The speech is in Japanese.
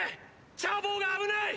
チャー坊が危ない！！